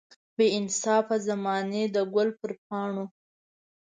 بې انصافه زمانې د ګل پر پاڼو.